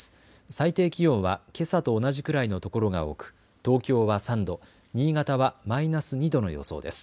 最低気温はけさと同じくらいのところが多く東京は３度、新潟はマイナス２度の予想です。